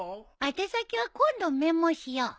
宛先は今度メモしよう。